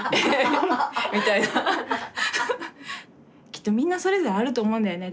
きっとみんなそれぞれあると思うんだよね